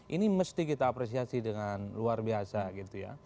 ini mesti kita apresiasi dengan luar biasa gitu ya